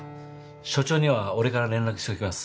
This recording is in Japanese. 署長には俺から連絡しときます。